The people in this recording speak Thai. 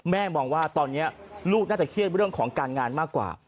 มองว่าตอนนี้ลูกน่าจะเครียดเรื่องของการงานมากกว่า